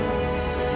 ungver tjuh tnggaill